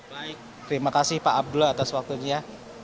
baik terima kasih pak abdul atas waktunya